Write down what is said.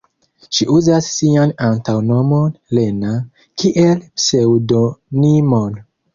Ŝi uzas sian antaŭnomon "Lena" kiel pseŭdonimon.